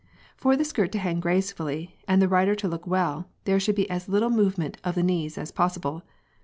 For the skirt to hang gracefully and the rider to look well, there should be as little movement of the knees as possible.